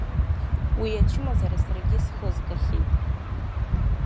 Уи ачымазара саргьы исхызгахьеит.